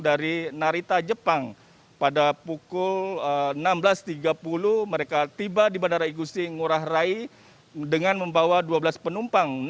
dari narita jepang pada pukul enam belas tiga puluh mereka tiba di bandara igusti ngurah rai dengan membawa dua belas penumpang